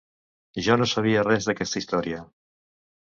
Jo no sabia res d'aquesta història.